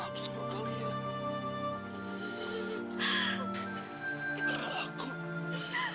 jadi shask christ yang éterlijk suami